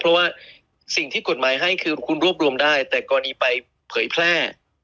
เพราะว่าสิ่งที่กฎหมายให้คือคุณรวบรวมได้แต่กรณีไปเผยแพร่